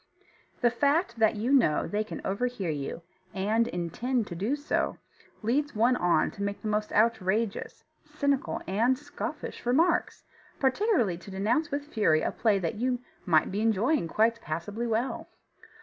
The fact that you know they can overhear you, and intend to do so, leads one on to make the most outrageous, cynical, and scoffish remarks, particularly to denounce with fury a play that you may be enjoying quite passably well.